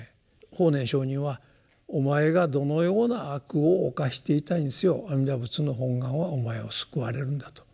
法然上人はお前がどのような悪を犯していたにせよ阿弥陀仏の本願はお前を救われるんだと。